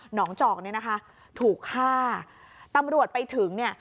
งจอกเนี่ยนะคะถูกฆ่าตำรวจไปถึงเนี่ย